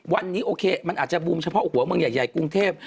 วันนี้โอเคมันอาจจะบูมเฉพาะหัวเมืองใหญ่กรุงเทพ